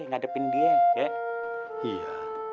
ngadepin dia ya